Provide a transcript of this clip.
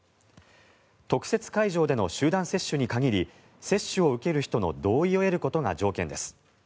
特設会場での集団接種に限り接種を受ける人の同意を得ることが条件です。